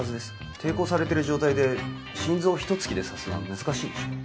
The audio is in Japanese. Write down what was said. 抵抗されてる状態で心臓を一突きで刺すのは難しいでしょう